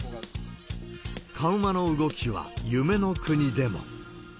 緩和の動きは夢の国でも。